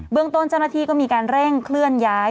เรื่องต้นเจ้าหน้าที่ก็มีการเร่งเคลื่อนย้าย